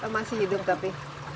masih hidup tapi